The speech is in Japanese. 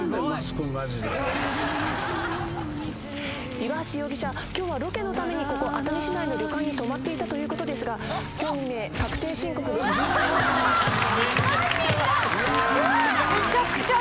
岩橋容疑者今日はロケのためにここ熱海市内の旅館に泊まっていたということですが今日未明確定申告偽造の疑いで。